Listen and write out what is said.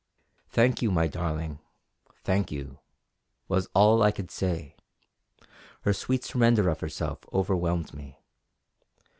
"Thank you, my darling, thank you!" was all I could say; her sweet surrender of herself overwhelmed me.